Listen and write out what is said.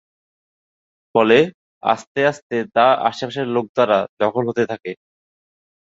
ফলে আস্তে আস্তে তা আশপাশের লোক দ্বারা দখল হতে থাকে।